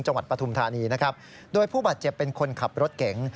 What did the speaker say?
ปฐุมธานีนะครับโดยผู้บาดเจ็บเป็นคนขับรถเก๋ง